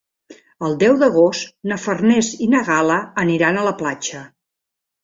El deu d'agost na Farners i na Gal·la aniran a la platja.